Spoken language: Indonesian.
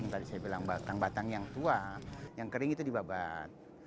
tadi saya bilang batang batang yang tua yang kering itu dibabat